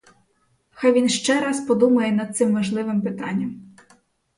Хай він ще раз подумає над цим важливим питанням.